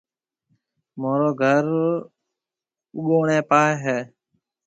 مهورو گھر اُوگوڻي پاهيَ هيَ۔